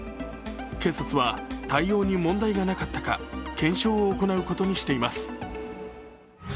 警察は対応に問題がなかったか検証を行うことにしています。